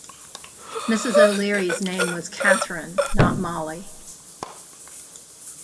Mrs. O'Leary's name was Catherine, not Molly.